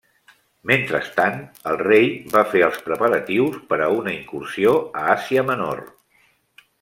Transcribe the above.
Mentrestant, el rei va fer els preparatius per a una incursió a Àsia Menor.